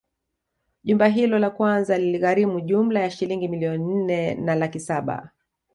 Jumba hilo la kwanza liligharimu jumla ya Shilingi milioni nne na laki Saba